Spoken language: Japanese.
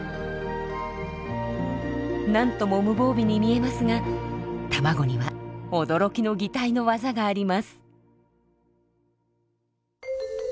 何とも無防備に見えますが卵には驚きの擬態のワザがあります。